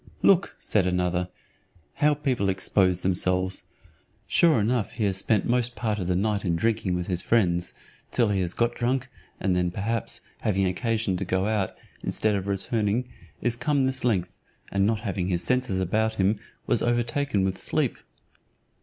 "Look," said another, "how people expose themselves; sure enough he has spent most part of the night in drinking with his friends, till he has got drunk, and then, perhaps, having occasion to go out, instead of returning, is come this length, and not having his senses about him, was overtaken with sleep."